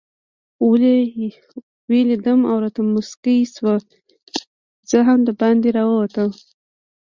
ویې لیدم او راته مسکۍ شوه، زه هم دباندې ورووتم.